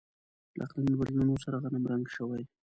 له اقلیمي بدلون سره غنمرنګ شوي.